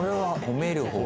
褒める方。